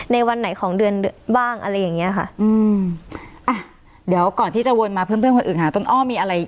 วันไหนของเดือนบ้างอะไรอย่างเงี้ยค่ะอืมอ่ะเดี๋ยวก่อนที่จะวนมาเพื่อนเพื่อนคนอื่นหาต้นอ้อมีอะไร